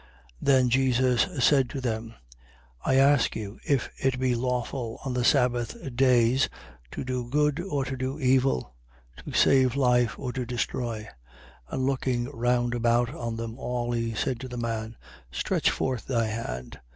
6:9. Then Jesus said to them: I ask you, if it be lawful on the sabbath days to do good or to do evil? To save life or to destroy? 6:10. And looking round about on them all, he said to the man: Stretch forth thy hand.